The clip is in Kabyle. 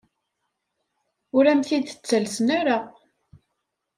Ur am-t-id-ttalsen ara.